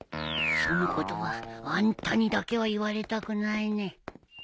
その言葉あんたにだけは言われたくないね。